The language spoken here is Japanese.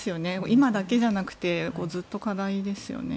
今だけじゃなくてずっと課題ですよね。